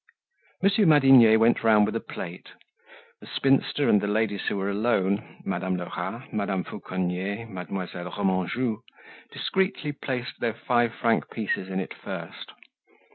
Monsieur Madinier went round with a plate. The spinster and the ladies who were alone—Madame Lerat, Madame Fauconnier, Mademoiselle Remanjou—discreetly placed their five franc pieces in it first.